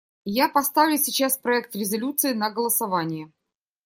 Я поставлю сейчас проект резолюции на голосование.